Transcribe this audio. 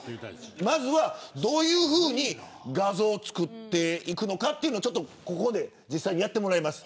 まずは、どういうふうに画像を作っていくのかというのをここで実際にやってもらいます。